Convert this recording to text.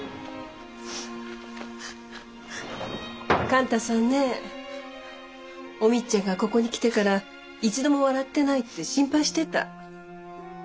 勘太さんねお美津ちゃんがここに来てから一度も笑ってないって心配してた。